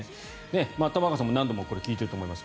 玉川さんもこれ何度も聞いていると思います